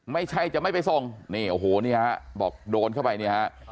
ไม่ใช่จะไม่ไปส่งนี่โอ้โหนี่ฮะบอกโดนเข้าไปเนี่ยฮะ